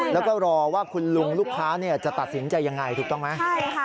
แล้วก็รอว่าลูกค้าจะตัดสินใจยังไง